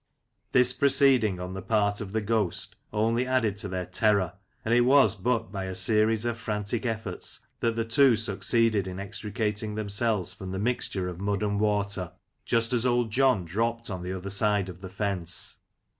This proceeding on the part of the ghost only added to their terror, and it was but by a series of frantic efforts that the two succeeded in extricating them selves from the mixture of mud and water, just as Old John dropped on the other side of the fence.